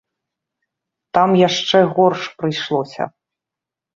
Там яшчэ горш прыйшлося.